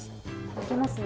抜けますね。